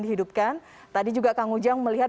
dihidupkan tadi juga kang ujang melihat